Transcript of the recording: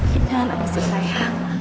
jangan aneh sih sayang